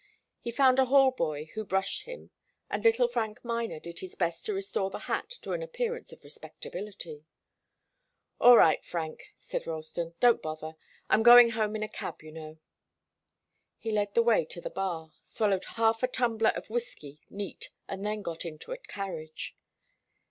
He found a hall boy who brushed him, and little Frank Miner did his best to restore the hat to an appearance of respectability. "All right, Frank," said Ralston. "Don't bother I'm going home in a cab, you know." He led the way to the bar, swallowed half a tumbler of whiskey neat, and then got into a carriage.